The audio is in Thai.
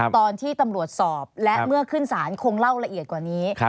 ตอนที่ตำรวจสอบและเมื่อขึ้นศาลคงเล่าละเอียดกว่านี้